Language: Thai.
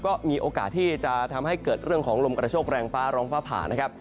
ก็มีโอกาสที่จะทำให้เกิดเรื่องของลมกระโชคแรงฟ้าร้องฟ้าผ่านะครับ